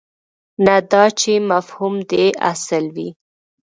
نه دا چې مفهوم دې اصل وي.